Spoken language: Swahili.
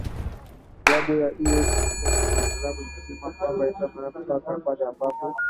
klabu ya iyes samse amsterdam imesema kwamba haitamwachia swarez mpaka pale ambapo